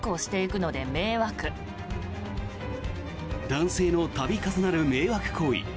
男性の度重なる迷惑行為。